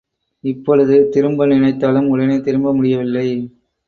இப்பொழுது திரும்ப நினைத்தாலும் உடனே திரும்ப முடியவில்லை.